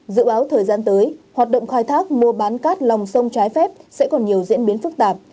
dự báo thời gian tới hoạt động khai thác mua bán cát lòng sông trái phép sẽ còn nhiều diễn biến phức tạp